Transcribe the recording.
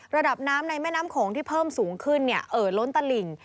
ระดับน้ำในแม่น้ำโขงที่เพิ่มสูงขึ้นเนี่ยเอ่อล้นตลิ่ง